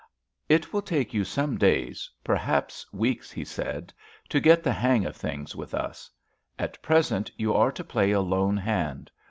"It will take you some days—perhaps weeks," he said, "to get the hang of things with us. At present you are to play a lone hand.